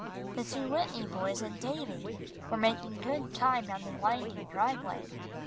The two Whitney boys and Davie were making good time down the winding driveway.